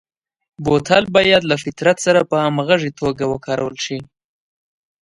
بوتل باید له فطرت سره په همغږي توګه وکارول شي.